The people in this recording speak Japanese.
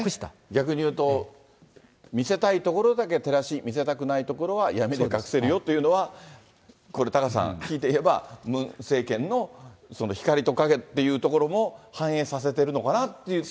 逆にいうと、見せたい所だけ照らし、見せたくない所は闇に隠せるよというのは、これ、タカさん、ムン政権の光と影というところも反映させてるのかなっていう。